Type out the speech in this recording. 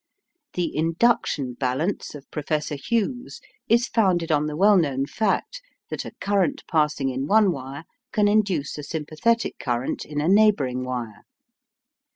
The "induction balance" of Professor Hughes is founded on the well known fact that a current passing in one wire can induce a sympathetic current in a neighbouring wire.